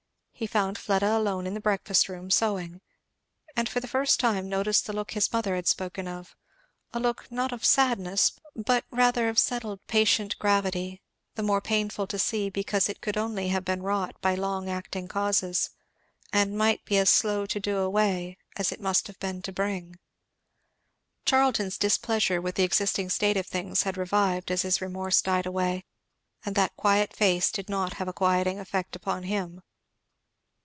He found Fleda alone in the breakfast room, sewing; and for the first time noticed the look his mother had spoken of; a look not of sadness, but rather of settled patient gravity; the more painful to see because it could only have been wrought by long acting causes, and might be as slow to do away as it must have been to bring. Charlton's displeasure with the existing state of things had revived as his remorse died away, and that quiet face did not have a quieting effect upon him.